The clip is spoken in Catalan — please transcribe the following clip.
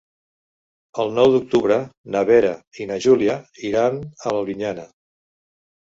El nou d'octubre na Vera i na Júlia iran a Albinyana.